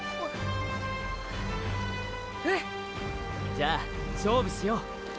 じゃあ勝負しよう！